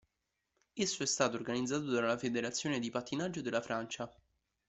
Esso è stato organizzato dalla Federazione di pattinaggio della Francia.